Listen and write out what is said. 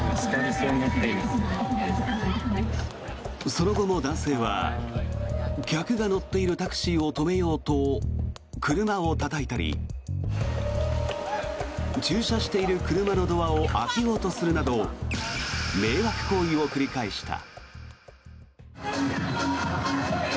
その後も男性は客が乗っているタクシーを止めようと車をたたいたり駐車している車のドアを開けようとするなど迷惑行為を繰り返した。